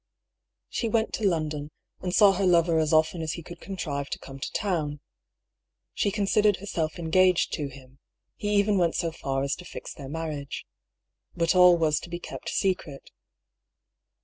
She went to London, and saw her lover as often as he could contrive to come to town. She considered her self engaged to him ; he even went so far as to fix their marriage. But all was to be kept secret.